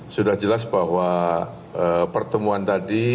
sudah jelas bahwa pertemuan tadi